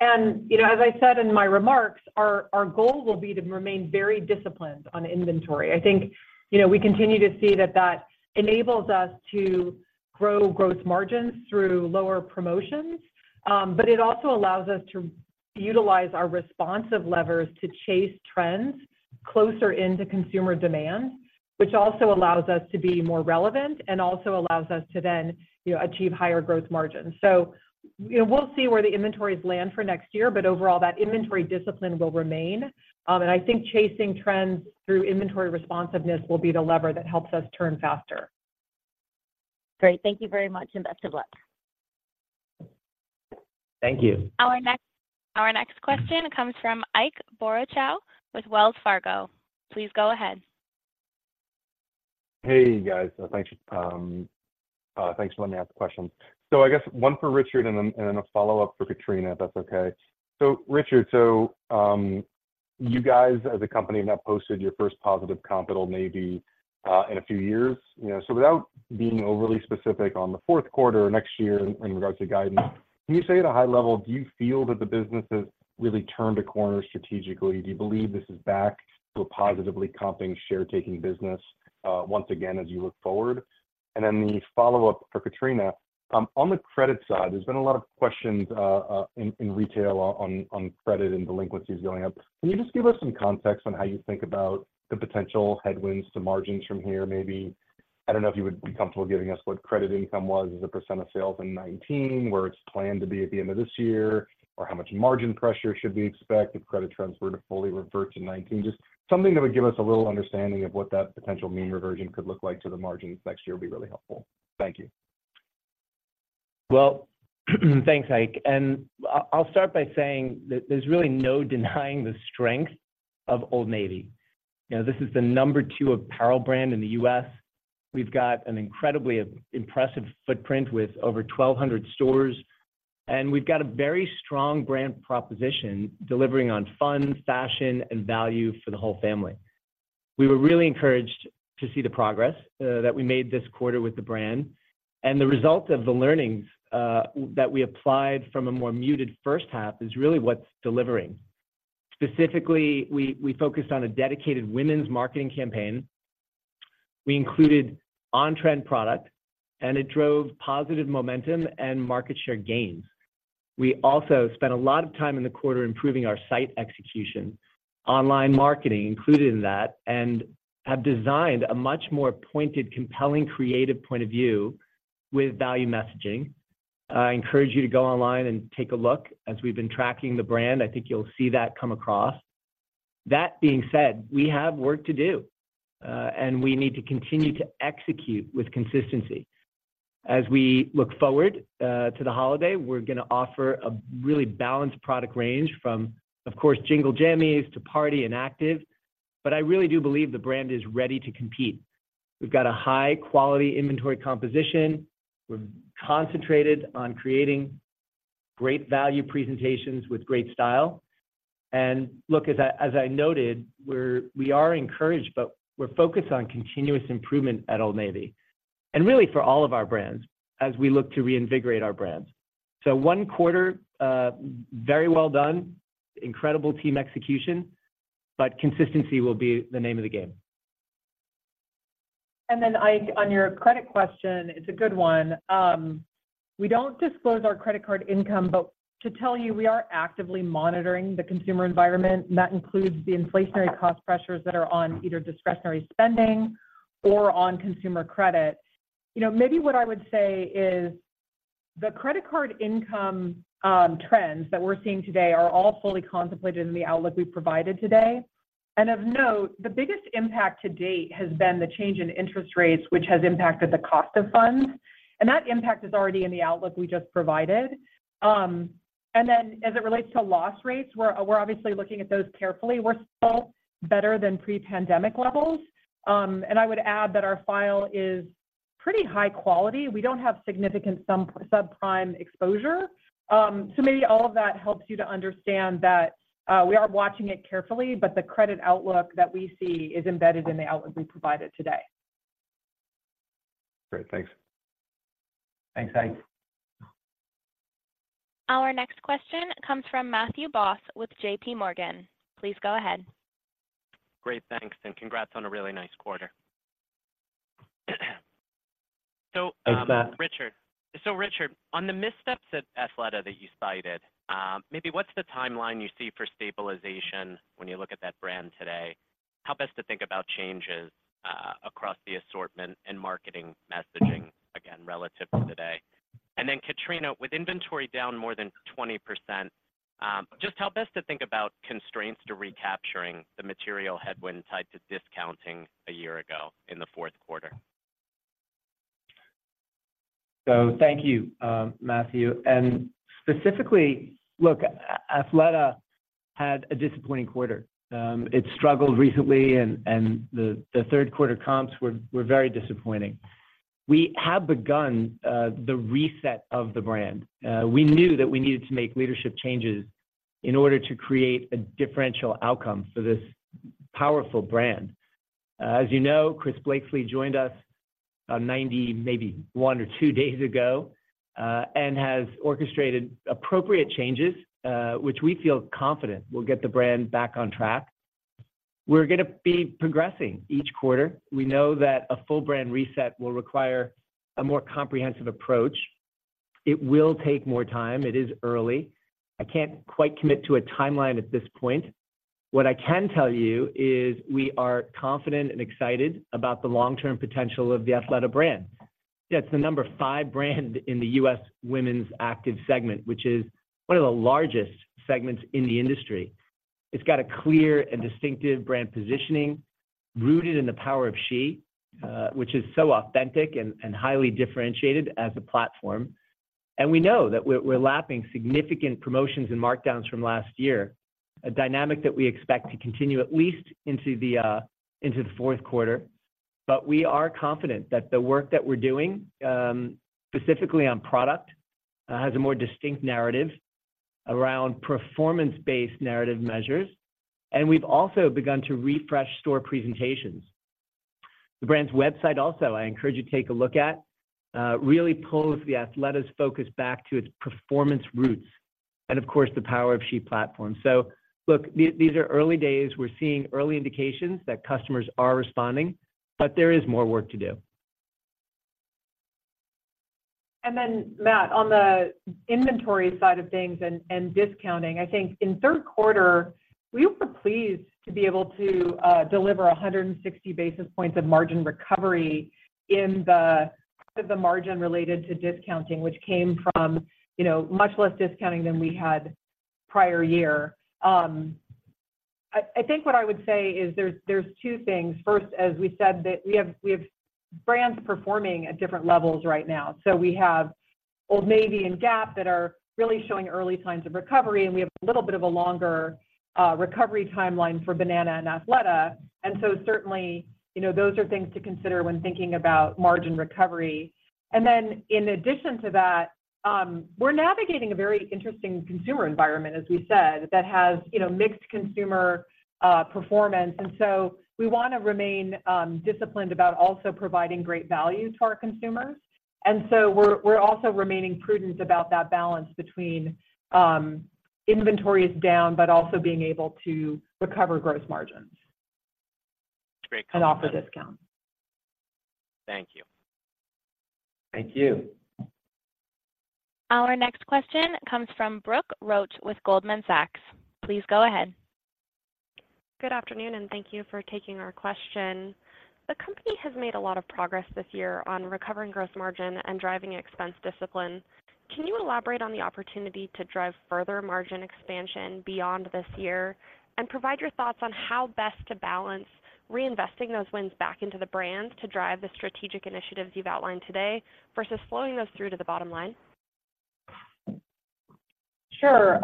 And, you know, as I said in my remarks, our goal will be to remain very disciplined on inventory. I think, you know, we continue to see that that enables us to grow gross margins through lower promotions, but it also allows us to utilize our responsive levers to chase trends closer into consumer demand, which also allows us to be more relevant and also allows us to then, you know, achieve higher gross margins. So, you know, we'll see where the inventories land for next year, but overall, that inventory discipline will remain. I think chasing trends through inventory responsiveness will be the lever that helps us turn faster. Great. Thank you very much, and best of luck. Thank you. Our next question comes from Ike Boruchow with Wells Fargo. Please go ahead. Hey, guys. Thanks for letting me ask the question. So I guess one for Richard and then a follow-up for Katrina, if that's okay. Richard, you guys, as a company, have posted your first positive comp at Old Navy in a few years. You know, so without being overly specific on the fourth quarter or next year in regards to guidance, can you say at a high level, do you feel that the business has really turned a corner strategically? Do you believe this is back to a positively comping, share-taking business once again, as you look forward? And then the follow-up for Katrina. On the credit side, there's been a lot of questions in retail on credit and delinquencies going up. Can you just give us some context on how you think about the potential headwinds to margins from here, maybe? I don't know if you would be comfortable giving us what credit income was as a % of sales in 2019, where it's planned to be at the end of this year, or how much margin pressure should we expect if credit trends were to fully revert to 2019. Just something that would give us a little understanding of what that potential mean reversion could look like to the margins next year would be really helpful. Thank you. Well, thanks, Ike. And I'll start by saying that there's really no denying the strength of Old Navy. You know, this is the number 2 apparel brand in the US We've got an incredibly impressive footprint with over 1,200 stores, and we've got a very strong brand proposition delivering on fun, fashion, and value for the whole family. We were really encouraged to see the progress that we made this quarter with the brand, and the result of the learnings that we applied from a more muted first half is really what's delivering. Specifically, we focused on a dedicated women's marketing campaign. We included on-trend product, and it drove positive momentum and market share gains. We also spent a lot of time in the quarter improving our site execution, online marketing included in that, and have designed a much more pointed, compelling, creative point of view with value messaging. I encourage you to go online and take a look. As we've been tracking the brand, I think you'll see that come across. That being said, we have work to do, and we need to continue to execute with consistency. As we look forward to the holiday, we're gonna offer a really balanced product range from, of course, Jingle Jammies to party and active, but I really do believe the brand is ready to compete. We've got a high-quality inventory composition. We're concentrated on creating great value presentations with great style. Look, as I noted, we're encouraged, but we're focused on continuous improvement at Old Navy, and really for all of our brands as we look to reinvigorate our brands. So one quarter very well done, incredible team execution, but consistency will be the name of the game. Then, Ike, on your credit question, it's a good one. We don't disclose our credit card income, but to tell you, we are actively monitoring the consumer environment, and that includes the inflationary cost pressures that are on either discretionary spending or on consumer credit. You know, maybe what I would say is, the credit card income, trends that we're seeing today are all fully contemplated in the outlook we've provided today. And of note, the biggest impact to date has been the change in interest rates, which has impacted the cost of funds, and that impact is already in the outlook we just provided. And then, as it relates to loss rates, we're obviously looking at those carefully. We're still better than pre-pandemic levels. And I would add that our file is pretty high quality. We don't have significant subprime exposure. So maybe all of that helps you to understand that we are watching it carefully, but the credit outlook that we see is embedded in the outlook we provided today. Great. Thanks. Thanks, Ike. Our next question comes from Matthew Boss with JPMorgan. Please go ahead. Great. Thanks, and congrats on a really nice quarter. So... Thanks, Matt. Richard. So Richard, on the missteps at Athleta that you cited, maybe what's the timeline you see for stabilization when you look at that brand today? Help us to think about changes, across the assortment and marketing messaging, again, relative to today. And then, Katrina, with inventory down more than 20%, just help us to think about constraints to recapturing the material headwind tied to discounting a year ago in the fourth quarter. Thank you, Matthew. Specifically, look, Athleta had a disappointing quarter. It struggled recently and the third quarter comps were very disappointing. We have begun the reset of the brand. We knew that we needed to make leadership changes in order to create a differential outcome for this powerful brand. As you know, Chris Blakeslee joined us about 90, maybe one or two days ago, and has orchestrated appropriate changes, which we feel confident will get the brand back on track. We're gonna be progressing each quarter. We know that a full brand reset will require a more comprehensive approach. It will take more time. It is early. I can't quite commit to a timeline at this point. What I can tell you is we are confident and excited about the long-term potential of the Athleta brand. It's the number 5 brand in the US women's active segment, which is one of the largest segments in the industry. It's got a clear and distinctive brand positioning, rooted in the Power of She, which is so authentic and highly differentiated as a platform. We know that we're lapping significant promotions and markdowns from last year, a dynamic that we expect to continue at least into the fourth quarter. But we are confident that the work that we're doing, specifically on product, has a more distinct narrative around performance-based narrative measures, and we've also begun to refresh store presentations. The brand's website also, I encourage you to take a look at, really pulls the Athleta's focus back to its performance roots, and of course, the Power of She platform. So look, these are early days. We're seeing early indications that customers are responding, but there is more work to do. And then, Matt, on the inventory side of things and discounting, I think in third quarter, we were pleased to be able to deliver 160 basis points of margin recovery in the margin related to discounting, which came from, you know, much less discounting than we had prior year. I think what I would say is there's two things. First, as we said, we have brands performing at different levels right now. So we have Old Navy and Gap that are really showing early signs of recovery, and we have a little bit of a longer recovery timeline for Banana and Athleta. So certainly, you know, those are things to consider when thinking about margin recovery. And then in addition to that, we're navigating a very interesting consumer environment, as we said, that has, you know, mixed consumer performance. And so we wanna remain disciplined about also providing great value to our consumers. And so we're also remaining prudent about that balance between inventories down but also being able to recover gross margins... Great. Offer discounts. Thank you. Thank you. Our next question comes from Brooke Roach with Goldman Sachs. Please go ahead. Good afternoon, and thank you for taking our question. The company has made a lot of progress this year on recovering gross margin and driving expense discipline. Can you elaborate on the opportunity to drive further margin expansion beyond this year, and provide your thoughts on how best to balance reinvesting those wins back into the brands to drive the strategic initiatives you've outlined today, versus flowing those through to the bottom line? Sure.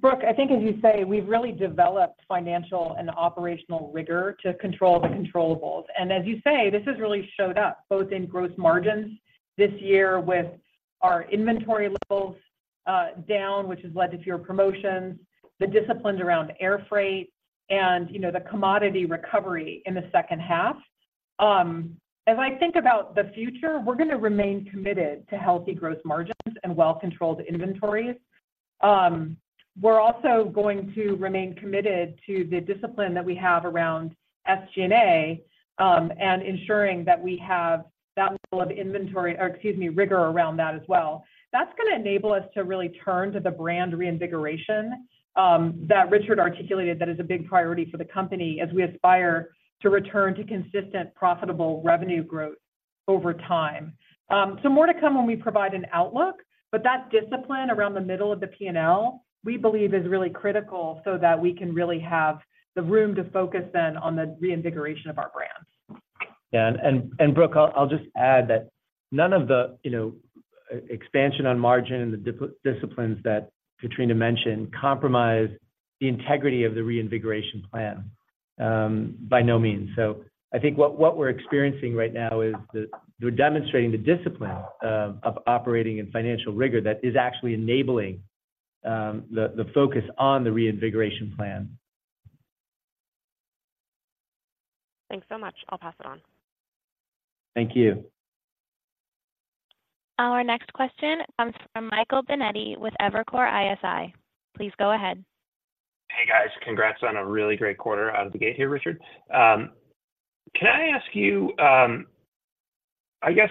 Brooke, I think as you say, we've really developed financial and operational rigor to control the controllables. And as you say, this has really showed up both in gross margins this year with our inventory levels down, which has led to fewer promotions, the disciplines around air freight, and, you know, the commodity recovery in the second half. As I think about the future, we're gonna remain committed to healthy gross margins and well-controlled inventories. We're also going to remain committed to the discipline that we have around SG&A, and ensuring that we have that level of inventory, or excuse me, rigor around that as well. That's gonna enable us to really turn to the brand reinvigoration that Richard articulated, that is a big priority for the company as we aspire to return to consistent, profitable revenue growth over time. So, more to come when we provide an outlook, but that discipline around the middle of the P&L, we believe is really critical so that we can really have the room to focus then on the reinvigoration of our brands. Yeah, Brooke, I'll just add that none of the, you know, expansion on margin and the disciplines that Katrina mentioned compromise the integrity of the reinvigoration plan by no means. So I think what we're experiencing right now is... We're demonstrating the discipline of operating in financial rigor that is actually enabling the focus on the reinvigoration plan. Thanks so much. I'll pass it on. Thank you. Our next question comes from Michael Binetti with Evercore ISI. Please go ahead. Hey, guys. Congrats on a really great quarter out of the gate here, Richard. Can I ask you... I guess,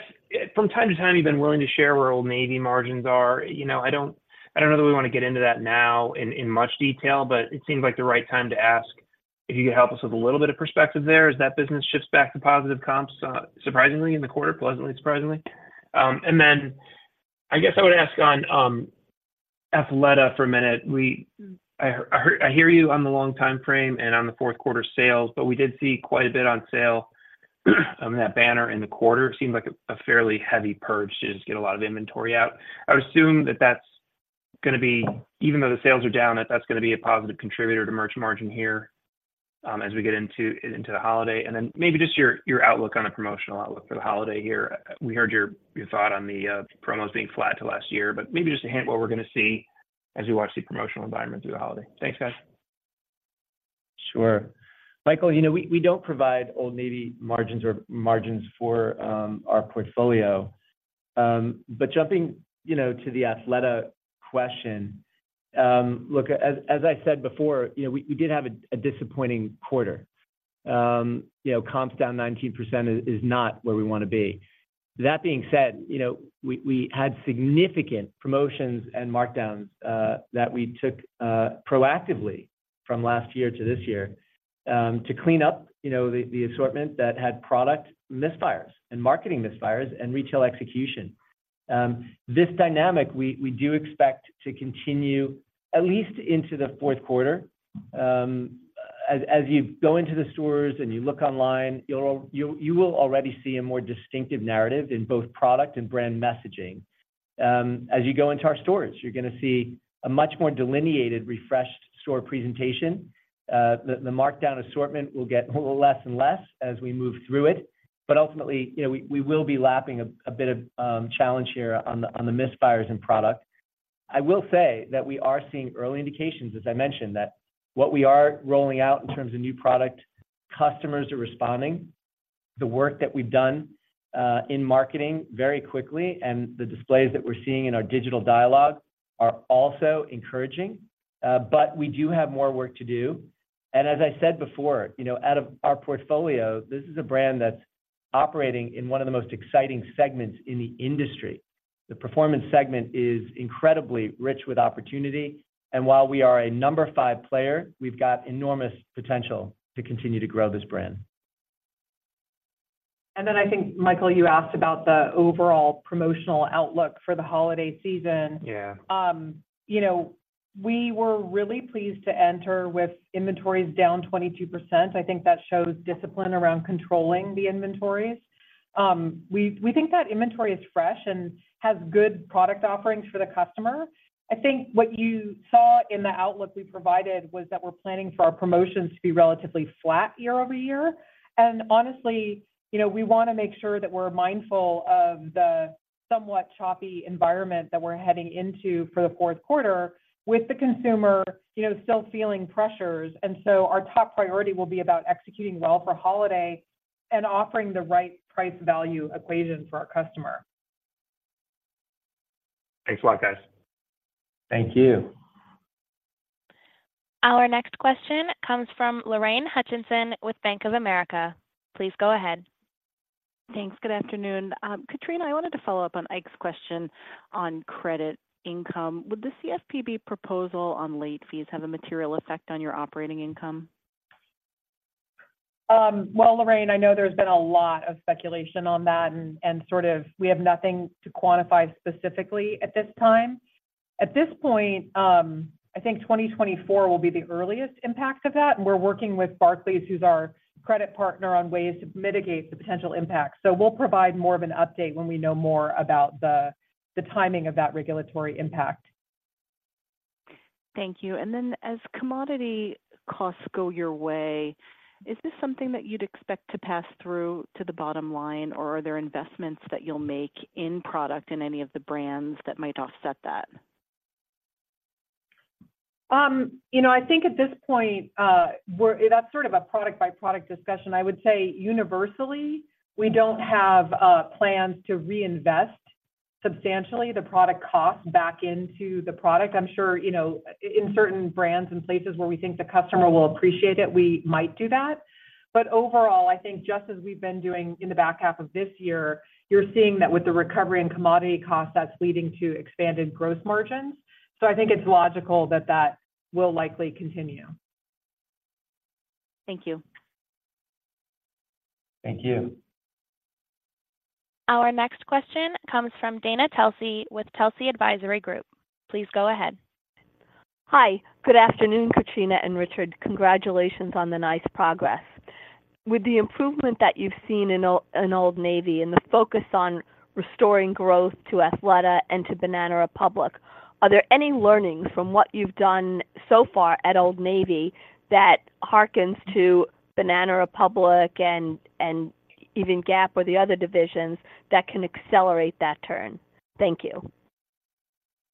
from time to time, you've been willing to share where Old Navy margins are. You know, I don't, I don't know that we wanna get into that now in, in much detail, but it seems like the right time to ask. If you could help us with a little bit of perspective there, as that business shifts back to positive comps, surprisingly in the quarter, pleasantly surprisingly. And then, I guess I would ask on, Athleta for a minute. I hear you on the long-time frame and on the fourth quarter sales, but we did see quite a bit on sale, on that banner in the quarter. It seemed like a fairly heavy purge to just get a lot of inventory out. I would assume that that's gonna be... Even though the sales are down, that's gonna be a positive contributor to merch margin here, as we get into the holiday. And then maybe just your outlook on the promotional outlook for the holiday here. We heard your thought on the promos being flat to last year, but maybe just a hint what we're gonna see as we watch the promotional environment through the holiday. Thanks, guys. Sure. Michael, you know, we, we don't provide Old Navy margins or margins for our portfolio. But jumping, you know, to the Athleta question, look, as, as I said before, you know, we, we did have a, a disappointing quarter. You know, comps down 19% is, is not where we wanna be. That being said, you know, we, we had significant promotions and markdowns that we took proactively from last year to this year to clean up, you know, the, the assortment that had product misfires and marketing misfires and retail execution. This dynamic, we, we do expect to continue at least into the fourth quarter. As, as you go into the stores and you look online, you'll, you, you will already see a more distinctive narrative in both product and brand messaging. As you go into our stores, you're gonna see a much more delineated, refreshed store presentation. The markdown assortment will get less and less as we move through it, but ultimately, you know, we will be lapping a bit of challenge here on the misfires and product. I will say that we are seeing early indications, as I mentioned, that what we are rolling out in terms of new product, customers are responding. The work that we've done in marketing very quickly, and the displays that we're seeing in our digital dialogue are also encouraging, but we do have more work to do. As I said before, you know, out of our portfolio, this is a brand that's operating in one of the most exciting segments in the industry. The performance segment is incredibly rich with opportunity, and while we are a number 5 player, we've got enormous potential to continue to grow this brand. I think, Michael, you asked about the overall promotional outlook for the holiday season. Yeah. You know, we were really pleased to enter with inventories down 22%. I think that shows discipline around controlling the inventories. We think that inventory is fresh and has good product offerings for the customer. I think what you saw in the outlook we provided was that we're planning for our promotions to be relatively flat year-over-year. And honestly, you know, we wanna make sure that we're mindful of the somewhat choppy environment that we're heading into for the fourth quarter with the consumer, you know, still feeling pressures. And so our top priority will be about executing well for holiday and offering the right price value equation for our customer. Thanks a lot, guys. Thank you. Our next question comes from Lorraine Hutchinson with Bank of America. Please go ahead. Thanks. Good afternoon. Katrina, I wanted to follow up on Ike's question on credit income. Would the CFPB proposal on late fees have a material effect on your operating income? Well, Lorraine, I know there's been a lot of speculation on that, and sort of we have nothing to quantify specifically at this time. At this point, I think 2024 will be the earliest impact of that, and we're working with Barclays, who's our credit partner, on ways to mitigate the potential impact. So we'll provide more of an update when we know more about the timing of that regulatory impact. Thank you. Then, as commodity costs go your way, is this something that you'd expect to pass through to the bottom line, or are there investments that you'll make in product in any of the brands that might offset that? You know, I think at this point, that's sort of a product-by-product discussion. I would say universally, we don't have plans to reinvest substantially the product cost back into the product. I'm sure, you know, in certain brands and places where we think the customer will appreciate it, we might do that. But overall, I think just as we've been doing in the back half of this year, you're seeing that with the recovery in commodity costs, that's leading to expanded gross margins. So I think it's logical that that will likely continue. Thank you. Thank you. Our next question comes from Dana Telsey with Telsey Advisory Group. Please go ahead. Hi, good afternoon, Katrina and Richard. Congratulations on the nice progress. With the improvement that you've seen in Old Navy and the focus on restoring growth to Athleta and to Banana Republic, are there any learnings from what you've done so far at Old Navy that hearkens to Banana Republic and even Gap or the other divisions that can accelerate that turn? Thank you.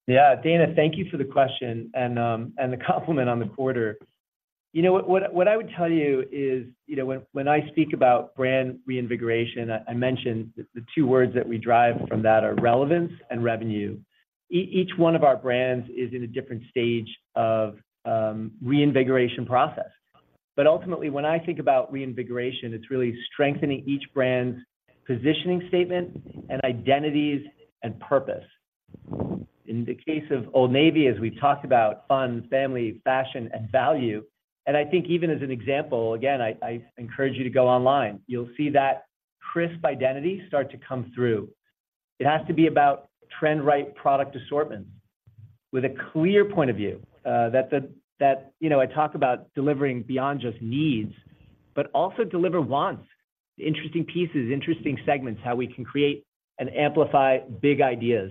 Yeah. Dana, thank you for the question and, and the compliment on the quarter. You know what, what I would tell you is, you know, when, when I speak about brand reinvigoration, I, I mentioned the two words that we derive from that are relevance and revenue. Each one of our brands is in a different stage of, reinvigoration process. But ultimately, when I think about reinvigoration, it's really strengthening each brand's positioning statement and identities and purpose. In the case of Old Navy, as we've talked about fun, family, fashion, and value, and I think even as an example, again, I, I encourage you to go online. You'll see that crisp identity start to come through. It has to be about trend-right product assortments with a clear point of view that you know I talk about delivering beyond just needs, but also deliver wants, interesting pieces, interesting segments, how we can create and amplify big ideas.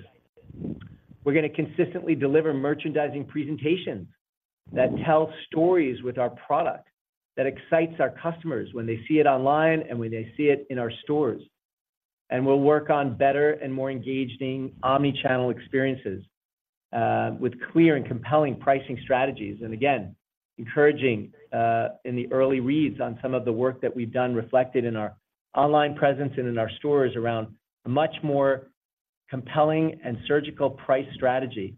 We're gonna consistently deliver merchandising presentations that tell stories with our product, that excites our customers when they see it online and when they see it in our stores. We'll work on better and more engaging omni-channel experiences with clear and compelling pricing strategies. Again, encouraging in the early reads on some of the work that we've done, reflected in our online presence and in our stores around a much more compelling and surgical price strategy.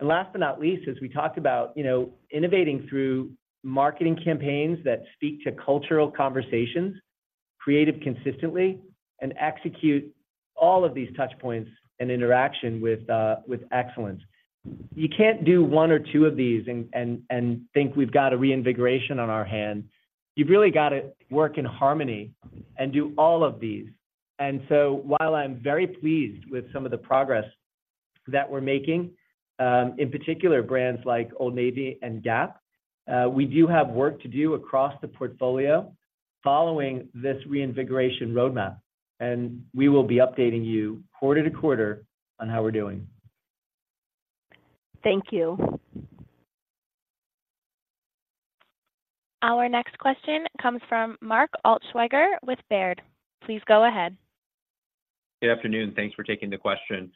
And last but not least, as we talked about, you know, innovating through marketing campaigns that speak to cultural conversations, creative consistently, and execute all of these touch points and interaction with excellence. You can't do one or two of these and think we've got a reinvigoration on our hands. You've really got to work in harmony and do all of these. And so while I'm very pleased with some of the progress that we're making, in particular, brands like Old Navy and Gap, we do have work to do across the portfolio following this reinvigoration roadmap, and we will be updating you quarter to quarter on how we're doing. Thank you. Our next question comes from Mark Altschwager with Baird. Please go ahead. Good afternoon. Thanks for taking the question.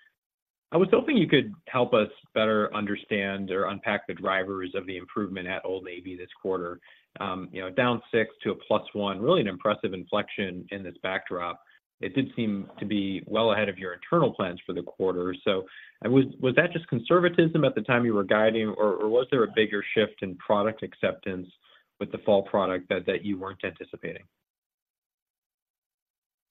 I was hoping you could help us better understand or unpack the drivers of the improvement at Old Navy this quarter. You know, down 6% to +1%, really an impressive inflection in this backdrop. It did seem to be well ahead of your internal plans for the quarter. So, was that just conservatism at the time you were guiding, or was there a bigger shift in product acceptance with the fall product that you weren't anticipating?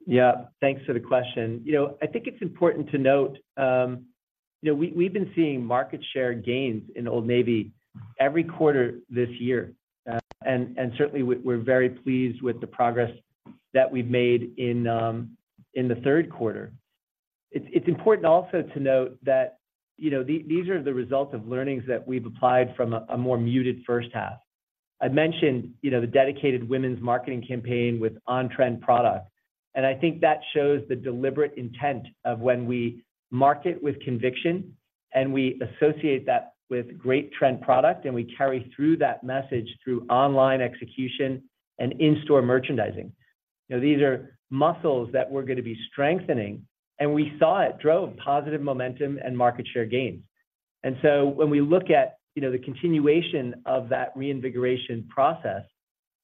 Yeah, thanks for the question. You know, I think it's important to note, you know, we've been seeing market share gains in Old Navy every quarter this year. And certainly, we're very pleased with the progress that we've made in the third quarter. It's important also to note that, you know, these are the results of learnings that we've applied from a more muted first half. I mentioned, you know, the dedicated women's marketing campaign with on-trend products, and I think that shows the deliberate intent of when we market with conviction, and we associate that with great trend product, and we carry through that message through online execution and in-store merchandising. You know, these are muscles that we're gonna be strengthening, and we saw it drove positive momentum and market share gains. And so when we look at, you know, the continuation of that reinvigoration process,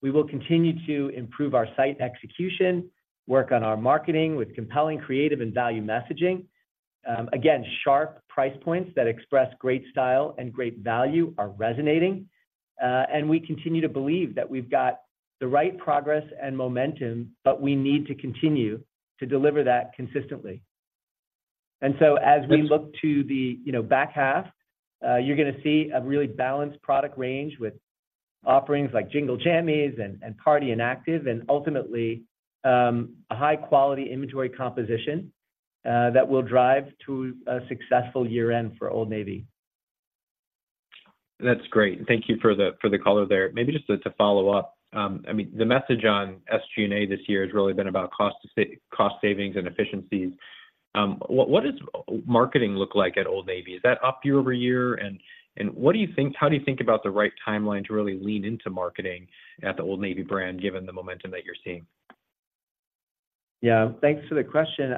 we will continue to improve our site execution, work on our marketing with compelling, creative, and value messaging. Again, sharp price points that express great style and great value are resonating. And we continue to believe that we've got the right progress and momentum, but we need to continue to deliver that consistently. And so as we look to the, you know, back half, you're gonna see a really balanced product range with offerings like Jingle Jammies and, and party and active, and ultimately, a high-quality inventory composition that will drive to a successful year-end for Old Navy. That's great. Thank you for the color there. Maybe just to follow up. I mean, the message on SG&A this year has really been about cost savings and efficiencies. What does marketing look like at Old Navy? Is that up year-over-year? And what do you think about the right timeline to really lean into marketing at the Old Navy brand, given the momentum that you're seeing? Yeah, thanks for the question.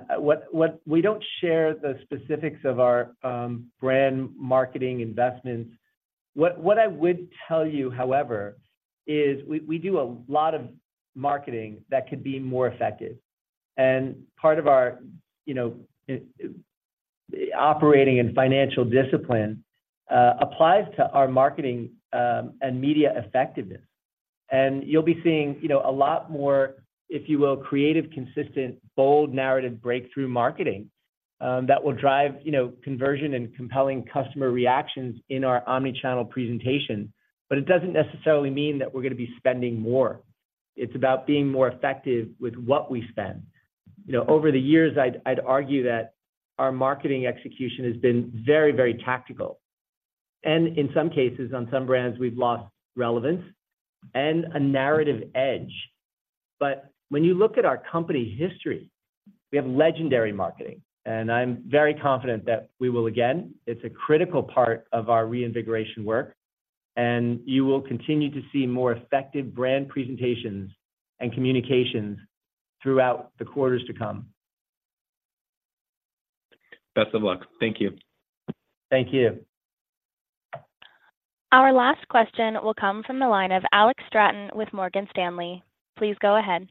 We don't share the specifics of our brand marketing investments. What I would tell you, however, is we do a lot of marketing that could be more effective. And part of our, you know, operating and financial discipline applies to our marketing and media effectiveness. And you'll be seeing, you know, a lot more, if you will, creative, consistent, bold, narrative, breakthrough marketing that will drive, you know, conversion and compelling customer reactions in our omni-channel presentation. But it doesn't necessarily mean that we're gonna be spending more. It's about being more effective with what we spend. You know, over the years, I'd argue that our marketing execution has been very, very tactical, and in some cases, on some brands, we've lost relevance and a narrative edge. But when you look at our company history, we have legendary marketing, and I'm very confident that we will again. It's a critical part of our reinvigoration work, and you will continue to see more effective brand presentations and communications throughout the quarters to come. Best of luck. Thank you. Thank you. Our last question will come from the line of Alex Straton with Morgan Stanley. Please go ahead.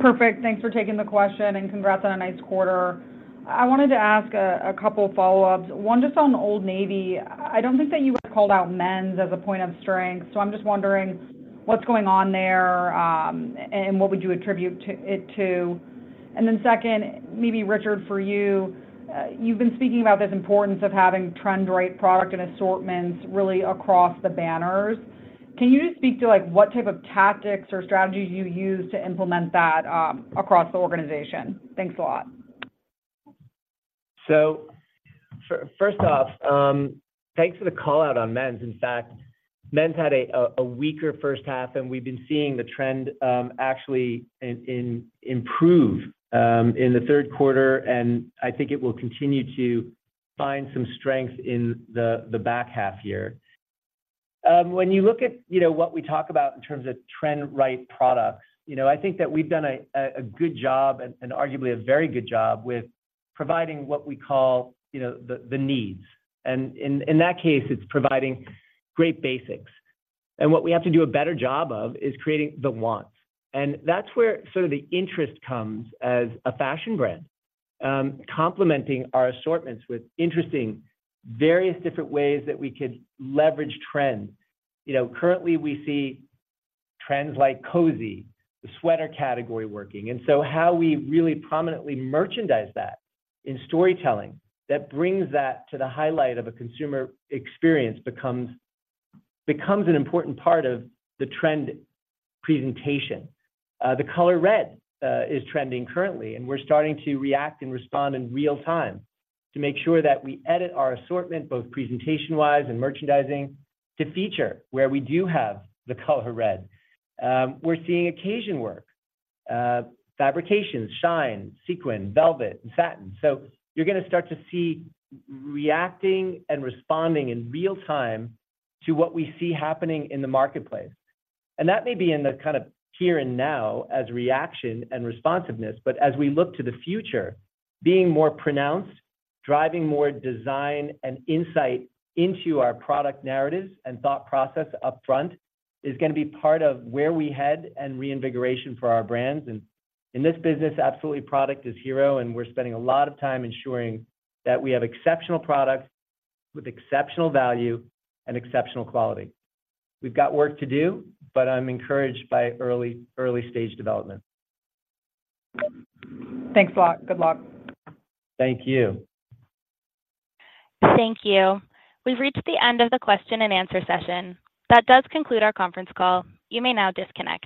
Perfect. Thanks for taking the question, and congrats on a nice quarter. I wanted to ask a couple follow-ups. One, just on Old Navy. I don't think that you guys called out men's as a point of strength, so I'm just wondering what's going on there, and what would you attribute it to? And then second, maybe Richard, for you, you've been speaking about this importance of having trend-right product and assortments really across the banners. Can you just speak to, like, what type of tactics or strategies you use to implement that across the organization? Thanks a lot. So first off, thanks for the call out on men's. In fact, men's had a weaker first half, and we've been seeing the trend actually improving in the third quarter, and I think it will continue to find some strength in the back half year. When you look at, you know, what we talk about in terms of trend-right products, you know, I think that we've done a good job and arguably a very good job with providing what we call, you know, the needs. And in that case, it's providing great basics. And what we have to do a better job of is creating the wants, and that's where sort of the interest comes as a fashion brand. Complementing our assortments with interesting various different ways that we could leverage trends. You know, currently, we see trends like cozy, the sweater category working. And so how we really prominently merchandise that in storytelling, that brings that to the highlight of a consumer experience, becomes an important part of the trend presentation. The color red is trending currently, and we're starting to react and respond in real time to make sure that we edit our assortment, both presentation-wise and merchandising, to feature where we do have the color red. We're seeing occasion work, fabrications, shine, sequin, velvet, and satin. So you're gonna start to see reacting and responding in real time to what we see happening in the marketplace. That may be in the kind of here and now as reaction and responsiveness, but as we look to the future, being more pronounced, driving more design and insight into our product narratives and thought process upfront, is gonna be part of where we head and reinvigoration for our brands. In this business, absolutely, product is hero, and we're spending a lot of time ensuring that we have exceptional products with exceptional value and exceptional quality. We've got work to do, but I'm encouraged by early, early stage development. Thanks a lot. Good luck. Thank you. Thank you. We've reached the end of the question and answer session. That does conclude our conference call. You may now disconnect.